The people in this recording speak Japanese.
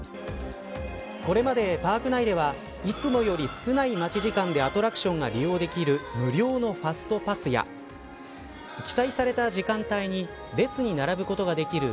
これまでパーク内ではいつもより少ない待ち時間でアトラクションが利用できる無料のファストパスや記載された時間帯に列に並ぶことができる